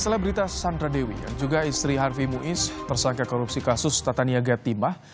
selebritas sandra dewi yang juga istri harfi muiz tersangka korupsi kasus tata niaga timah